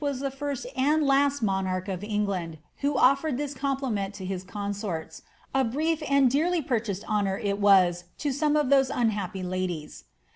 was the first and last monarch of England who offered this compliment to his consorts — a brief and dearly purchased honour it was to some of those unhappy ladies.